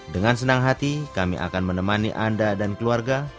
dengan senang hati kami akan menemani anda dan keluarga